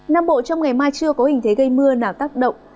nam bộ trong ngày mai chưa có hình thế gây mưa nào tác động